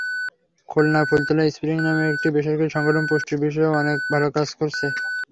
খুলনার ফুলতলায় স্প্রিং নামে একটি বেসরকারি সংগঠন পুষ্টির বিষয়ে অনেক ভালো কাজ করছে।